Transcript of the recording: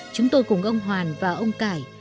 chúng tôi cùng ông hoàn và ông cải